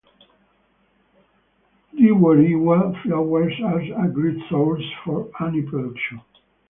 Rewarewa flowers are a great source for honey production.